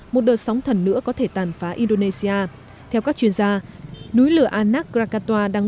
một đợt sóng thần nữa có thể tàn phá indonesia theo các chuyên gia núi lửa anak krakatoa đang